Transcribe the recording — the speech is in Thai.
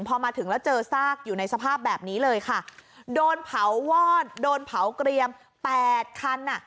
พอมาถึงแล้วเจอซากอยู่ในสภาพแบบนี้เลยค่ะโดนเผาวอดโดนเผาเกรียมแปดคันอ่ะ